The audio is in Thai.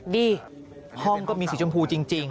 อ๋อดีห้องก็มีสีชมพูจริง